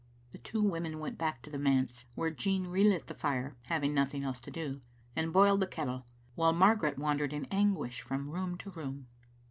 The two women went back to the manse, where Jean re lit the fire, having nothing else to do, and boiled the kettle, while Margaret wandered in anguish from room to room.